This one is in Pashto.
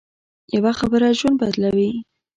یوه خبره ژوند بدلوي